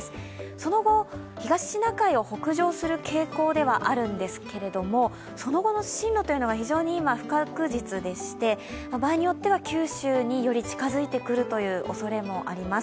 その後、東シナ海を北上する傾向ではあるんですけど、その後の進路というのが非常に今、不確実でして場合によっては九州に、より近づいてくるというおそれもあります。